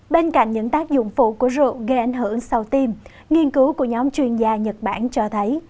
bên cạnh những tác dụng phụ của rượu gây ảnh hưởng sau tim nghiên cứu của nhóm chuyên gia nhật bản cho thấy